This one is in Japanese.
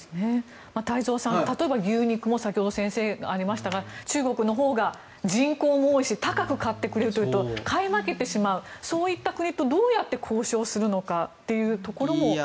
太蔵さん、例えば牛肉も先ほど先生からありましたが中国のほうが人口も多いし高く買ってくれるというと買い負けてしまうそういった国とどうやって交渉するのかというところも。